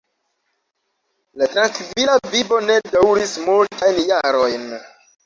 La trankvila vivo ne daŭris multajn jarojn.